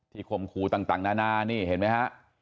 ที่คมขู่ต่างนานานี่เห็นมั้ยฮะ